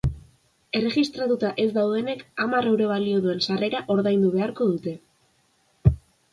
Erregistratuta ez daudenek hamar euro balio duen sarrera ordaindu beharko dute.